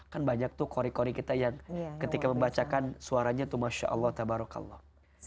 kan banyak tuh kori kori kita yang ketika membacakan suaranya tuh masha'allah ta'barukallah